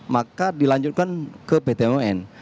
maka dilanjutkan ke pt un